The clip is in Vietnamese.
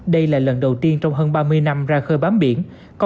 đây là lần đầu tiên trong hơn ba mươi năm ra khơi bám biển